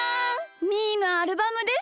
みーのアルバムです。